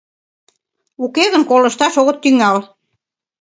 Уке гын колышташ огыт тӱҥал.